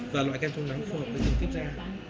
và loại kem chống nắng phù hợp với từng tiếp ra